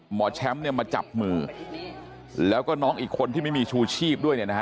หมอแชมป์มาจับมือแล้วก็น้องอีกคนที่ไม่มีชูชีพด้วย